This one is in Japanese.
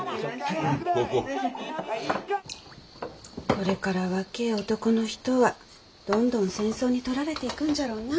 これから若え男の人はどんどん戦争に取られていくんじゃろうなあ。